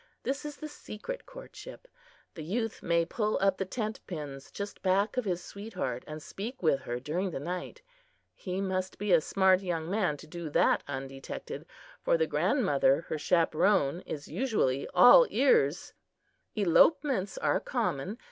This is the secret courtship. The youth may pull up the tentpins just back of his sweetheart and speak with her during the night. He must be a smart young man to do that undetected, for the grandmother, her chaperon, is usually "all ears." Elopements are common.